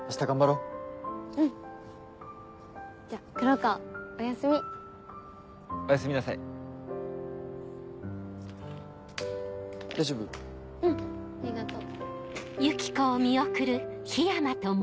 うんありがとう。